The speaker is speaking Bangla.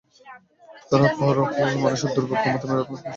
তার পরও মানুষের দুর্ভোগ কমাতে মেরামতের কাজ খুব শিগগির শুরু করব।